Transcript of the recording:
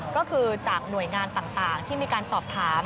ก็คือจากหน่วยงานต่างที่มีการสอบถาม